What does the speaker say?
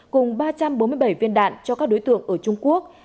cùng ba trăm bốn mươi bảy viên đạn cho các đối tượng ở trung quốc